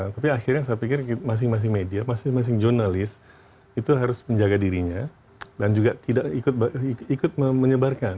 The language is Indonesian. tapi akhirnya saya pikir masing masing media masing masing jurnalis itu harus menjaga dirinya dan juga tidak ikut menyebarkan